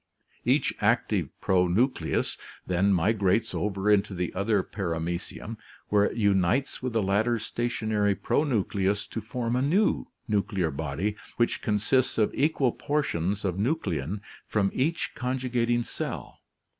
Each active pronucleus then migrates over into the other Paramecium where it unites with the latter's stationary pronucleus to form a new nuclear body which consists of equal portions of nuclein from each conjugating cell.